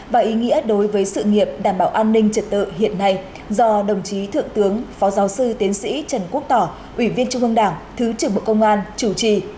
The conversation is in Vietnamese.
và ý nghĩa đối với sự nghiệp đảm bảo an ninh trật tự hiện nay do đồng chí thượng tướng phó giáo sư tiến sĩ trần quốc tỏ ủy viên trung ương đảng thứ trưởng bộ công an chủ trì